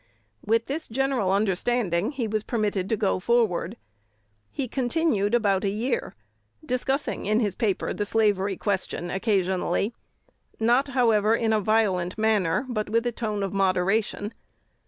With this general understanding, he was permitted to go forward. He continued about a year, discussing in his paper the slavery question occasionally; not, however, in a violent manner, but with a tone of moderation.